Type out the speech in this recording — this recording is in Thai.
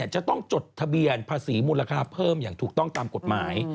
จะต้องจดทะเบียนภาษีมูลค่าเพิ่มอย่างถูกต้องตามกฎหมาย